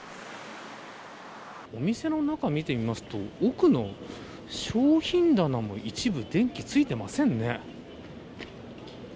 お店の中、見てみますと奥の商品棚も一部電気がついていませんね。